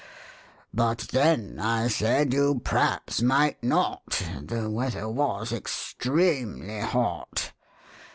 But then, I said, you p'raps might not (The weather was extremely hot).